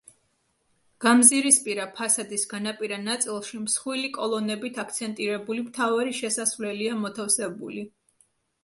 გამზირისპირა ფასადის განაპირა ნაწილში მსხვილი კოლონებით აქცენტირებული მთავარი შესასვლელია მოთავსებული.